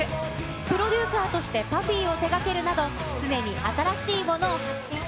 プロデューサーとしてＰＵＦＦＹを手がけるなど、新しいものを発信。